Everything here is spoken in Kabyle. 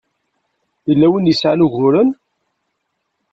Yella win i yesɛan uguren.